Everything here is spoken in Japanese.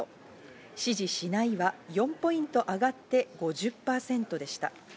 支持しないは４ポイント上がって、５０％でした。